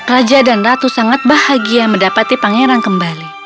raja dan ratu sangat bahagia mendapati pangeran kembali